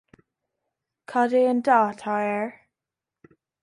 Cad é an dath atá air